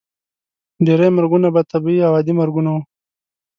ډیری مرګونه به طبیعي او عادي مرګونه وو.